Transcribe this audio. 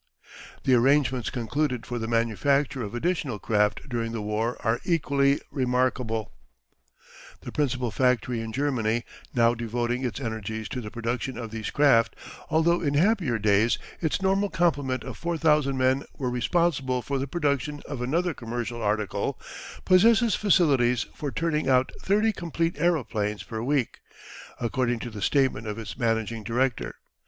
The arrangements concluded for the manufacture of additional craft during the war are equally remarkable. The principal factory in Germany, (now devoting its energies to the production of these craft, although in happier days its normal complement of 4,000 men were responsible for the production of another commercial article) possesses facilities for turning out 30 complete aeroplanes per week, according to the statement of its managing director.